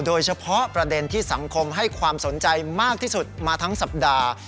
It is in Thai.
โดยเฉพาะประเด็นที่สังคมให้ความสนใจมากที่สุดมาทั้งสัปดาห์